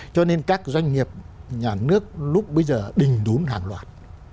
cho nên các doanh nghiệp nhà nước lúc bây giờ đình đúng hàng loạt